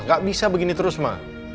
gak bisa begini terus mah